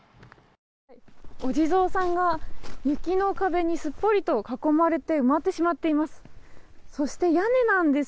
お地蔵さんが雪の壁にすっぽりと囲まれて埋まってしまっています。